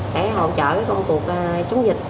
để hỗ trợ công cuộc chống dịch